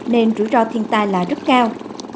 nên rủi ro thiên tai là rất cao